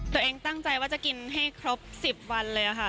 ตัวเองตั้งใจว่าจะกินให้ครบ๑๐วันเลยค่ะ